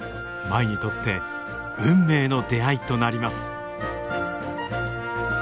舞にとって運命の出会いとなります。